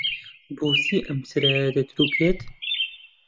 بۆچی ئەم چرایە دەترووکێت؟